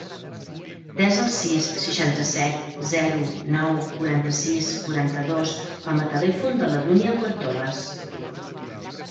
Desa el sis, seixanta-set, zero, nou, quaranta-sis, quaranta-dos com a telèfon de la Dúnia Puertolas.